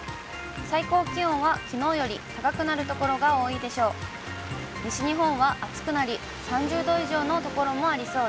最高気温はきのうより高くなる所が多いでしょう。